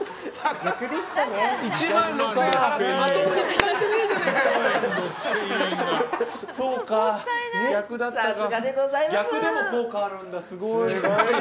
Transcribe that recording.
逆でも効果あるんだ、すごい。